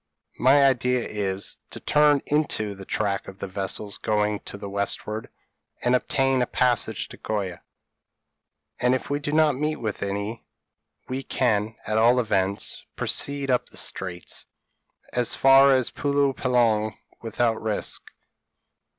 p> "My idea is, to run into the track of the vessels going to the westward, and obtain a passage to Goa." "And if we do not meet with any, we can, at all events, proceed up the Straits, as far as Pulo Penang without risk.